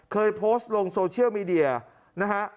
เคยโพสต์ลงโซเชียลมีเดียนะฮะ